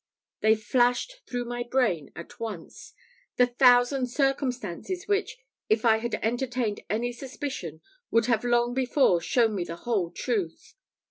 They flashed through my brain at once the thousand circumstances which, if I had entertained any suspicion, would have long before shown me the whole truth.